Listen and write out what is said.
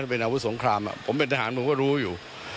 เป็นอาวุธสงครามผมเป็นทหารผมก็รู้อยู่